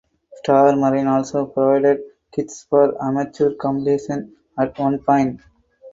Star Marine also provided kits for amateur completion at one point.